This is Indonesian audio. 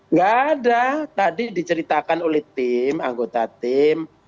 nggak ada tadi diceritakan oleh tim anggota tim